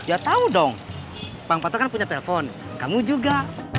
ya tahu dong bang patra kan punya telpon kamu juga